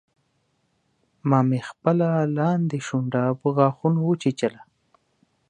ما مې خپله لاندۍ شونډه په غاښونو وچیچله